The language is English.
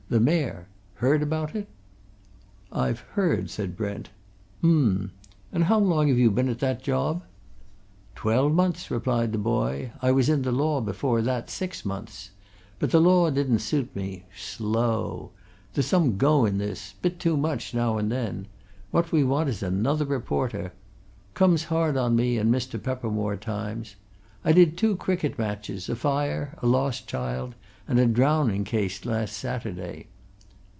The Mayor! Heard about it?" "I've heard," said Brent. "Um! And how long have you been at that job?" "Twelve months," replied the boy. "I was in the law before that six months. But the law didn't suit me. Slow! There's some go in this bit too much now and then. What we want is another reporter. Comes hard on me and Mr. Peppermore, times. I did two cricket matches, a fire, a lost child, and a drowning case last Saturday."